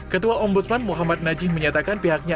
ketua ong budsman muhammad najih menyatakan pihaknya